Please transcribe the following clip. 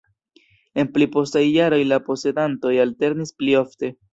En pli postaj jaroj la posedantoj alternis pli ofte.